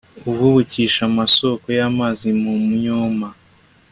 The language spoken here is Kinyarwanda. uvubukisha amasoko y'amazi mu myoma